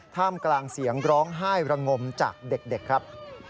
ท่ามกลางเสียงร้องไห้ระงมจากเด็กครับ